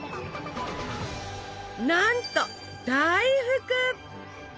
なんと大福！